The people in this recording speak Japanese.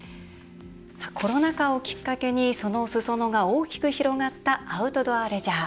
コロナ禍をきっかけにそのすそ野が大きく広がったアウトドアレジャー。